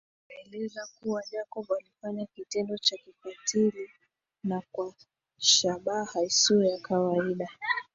Aliwaeleza kuwa Jacob alifanya kitendo cha kikatili na kwa shabaha isiyo ya kawaida